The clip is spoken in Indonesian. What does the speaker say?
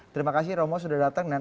terima kasih romo sudah datang